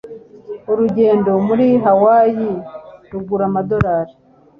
Urugendo muri Hawaii rugura amadorari .